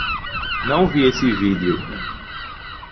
Não vi esse vídeo